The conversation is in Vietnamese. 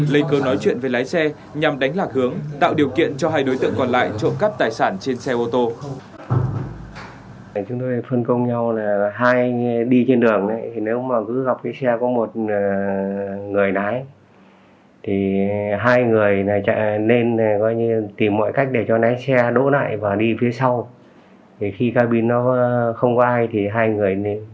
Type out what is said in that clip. lấy cơ nói chuyện với lái xe nhằm đánh lạc hướng tạo điều kiện cho hai đối tượng còn lại trộm cắt tài sản trên xe ô tô